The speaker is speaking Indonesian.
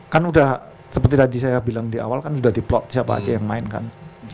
kan udah seperti tadi saya bilang di awal kan udah di plot siapa aja yang main kan